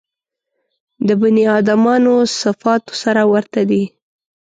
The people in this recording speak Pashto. د بني ادمانو صفاتو سره ورته دي.